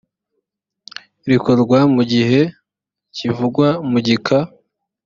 rikorwa mu gihe kivugwa mu gika